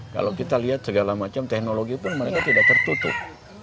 kalau kita lihat segala macam teknologi pun mereka tidak tertutup